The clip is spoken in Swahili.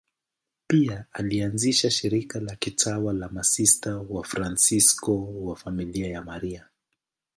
Pia alianzisha shirika la kitawa la Masista Wafransisko wa Familia ya Maria.